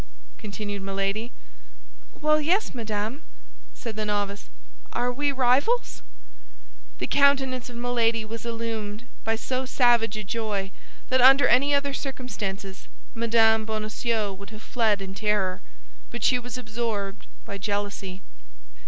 continued Milady. "Well, yes, madame," said the novice, "Are we rivals?" The countenance of Milady was illumined by so savage a joy that under any other circumstances Mme. Bonacieux would have fled in terror; but she was absorbed by jealousy.